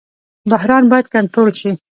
بحران باید کنټرول شي